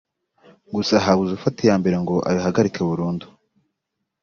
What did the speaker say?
gusa habuze ufata iya mbere ngo abihagarike burundu